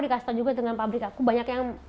dikasih juga dengan pabrik aku banyak yang